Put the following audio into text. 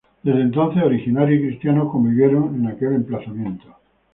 Desde entonces, originarios y cristianos convivieron en aquel emplazamiento.